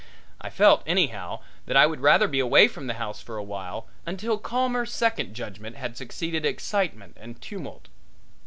I felt, anyhow, that I would rather be away from the house for a while, until calmer second judgment had succeeded excitement and tumult.